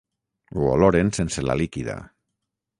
Ho oloren sense la líquida.